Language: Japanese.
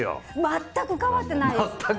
全く変わってないです。